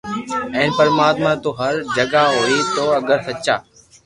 ھين پرماتما تو ھر جگھ ھوئي تو اگر سچا